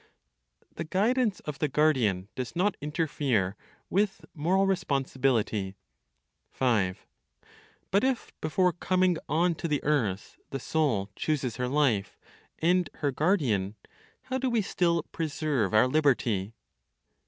THE GUIDANCE OF THE GUARDIAN DOES NOT INTERFERE WITH MORAL RESPONSIBILITY. 5. But if (before coming on to the earth) the soul chooses her life and her guardian, how do we still preserve our liberty?